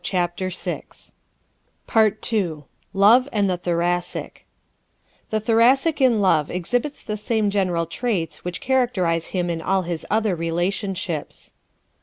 Part Two LOVE AND THE THORACIC ¶ The Thoracic in love exhibits the same general traits which characterize him in all his other relationships.